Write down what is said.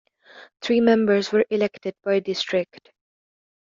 Three members were elected per district.